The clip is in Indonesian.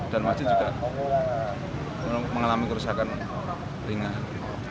dan masjid juga mengalami kerusakan ringan